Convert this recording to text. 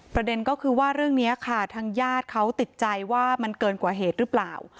ประเด็นก็คือว่าเรื่องนี้ค่ะทางญาติเขาติดใจว่ามันเกินกว่าเหตุหรือเปล่า